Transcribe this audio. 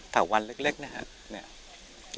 ถาวันเล็กนะฮะเนี่ย